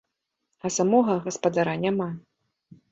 А самога гаспадара няма.